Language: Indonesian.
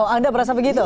anda merasa begitu